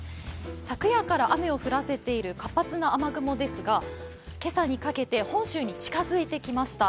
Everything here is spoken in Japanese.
昨夜から、雨を降らせている活発な雨雲ですが今朝にかかけて本州に近づいてきました。